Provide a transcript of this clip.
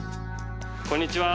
こんにちは。